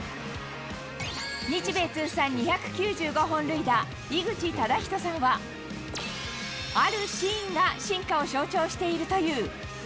日米通算２９５本塁打、井口資仁さんは、あるシーンが進化を象徴しているという。